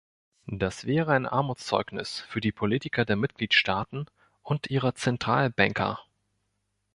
Das wäre ein Armutszeugnis für die Politiker der Mitgliedstaaten und ihrer Zentralbanker!